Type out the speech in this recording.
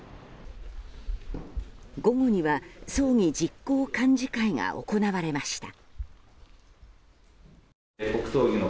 午後には葬儀実行幹事会が行われました。